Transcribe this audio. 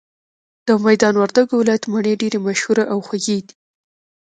د ميدان وردګو ولايت مڼي ډيري مشهوره او خوږې دي